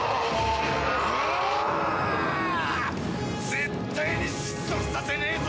絶対に失速させねえぞ！